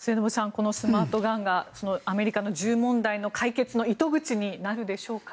このスマートガンがアメリカの銃問題の解決の糸口になるでしょうか。